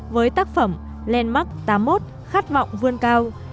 với tác phẩm landmark tám mươi một khát vọng vươn cao